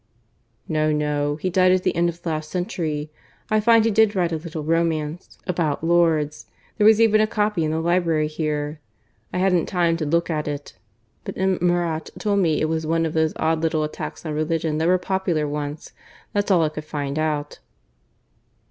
"No, no. He died at the end of the last century. I find he did write a little romance about Lourdes. There was even a copy in the library here. I hadn't time to look at it; but M. Meurot told me it was one of those odd little attacks on religion that were popular once. That's all I could find out."